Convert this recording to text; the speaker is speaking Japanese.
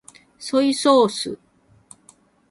ソイソース